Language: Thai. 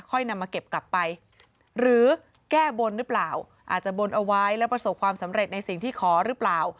นำมาเก็บกลับไปหรือแก้บนหรือเปล่าอาจจะบนเอาไว้แล้วประสบความสำเร็จในสิ่งที่ขอหรือเปล่า